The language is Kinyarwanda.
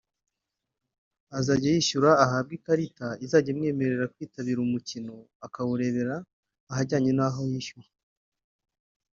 azajya yishyura ahabwe ikarita izajya imwemerera kwitabira buri mukino akawurebera ahajyanye n’aho yishyuye